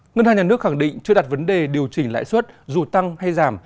ngân hàng nhà nước khẳng định chưa đặt vấn đề điều chỉnh lãi suất dù tăng hay giảm